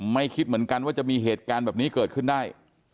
ไม่คิดเหมือนกันว่าจะมีเหตุการณ์แบบนี้เกิดขึ้นได้